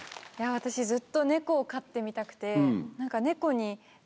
私ずっとネコを飼ってみたくて。